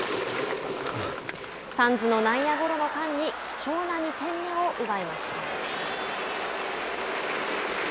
サンズの内野ゴロの間に貴重な２点目を奪いました。